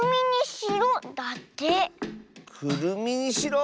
「くるみにしろ」？